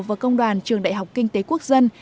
và công đoàn trường đại học kinh tế quốc dân